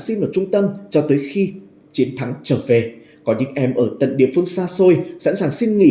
xin ở trung tâm cho tới khi chiến thắng trở về có những em ở tận địa phương xa xôi sẵn sàng xin nghỉ